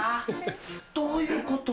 どういうこと？